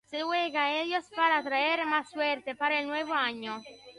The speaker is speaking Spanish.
Se juega a ellos para atraer más suerte para el nuevo año.